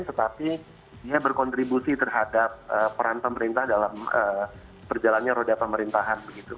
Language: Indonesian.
tetapi dia berkontribusi terhadap peran pemerintah dalam perjalannya roda pemerintahan